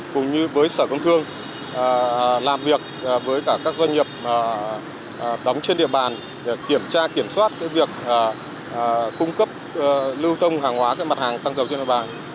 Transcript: cùng với sở công thương làm việc với các doanh nghiệp đóng trên địa bàn kiểm tra kiểm soát việc cung cấp lưu thông hàng hóa mặt hàng xăng dầu trên địa bàn